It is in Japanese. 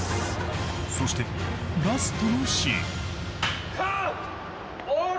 ［そしてラストのシーン］